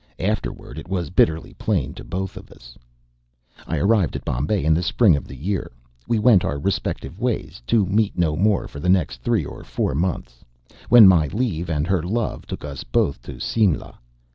Afterward it was bitterly plain to both of us. Arrived at Bombay in the spring of the year, we went our respective ways, to meet no more for the next three or four months, when my leave and her love took us both to Simla.